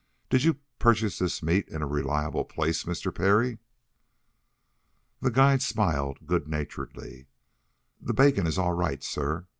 Did you purchase this meat in a reliable place, Mr. Parry!" The guide smiled good naturedly. "The bacon is all right, sir.